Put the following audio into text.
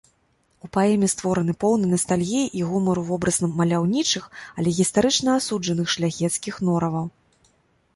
У паэме створаны поўны настальгіі і гумару вобраз маляўнічых, але гістарычна асуджаных шляхецкіх нораваў.